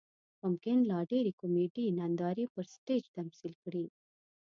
ممکن لا ډېرې کومیډي نندارې پر سټیج تمثیل کړي.